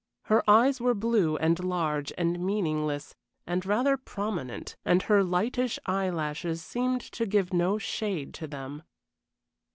Her eyes were blue and large and meaningless and rather prominent, and her lightish eyelashes seemed to give no shade to them.